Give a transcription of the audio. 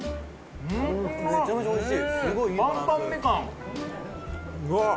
めちゃめちゃおいしい。